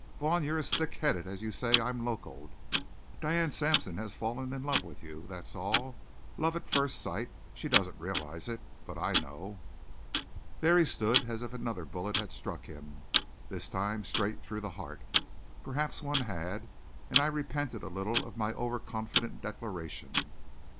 Vaughn, you're as thickheaded as you say I'm locoed. Diane Sampson has fallen in love with you! That's all. Love at first sight! She doesn't realize it. But I know." There he stood as if another bullet had struck him, this time straight through the heart. Perhaps one had and I repented a little of my overconfident declaration.